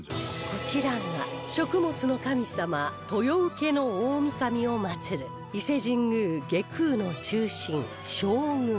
こちらが食物の神様豊受大御神を祀る伊勢神宮外宮の中心正宮